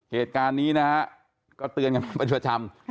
เหตุการณ์นี้นะฮะก็เตือนกันเป็นประจำ